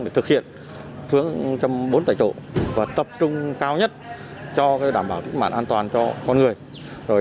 để thực hiện xuống trong bốn tài trộn và tập trung cao nhất cho đảm bảo thức mạng an toàn cho con người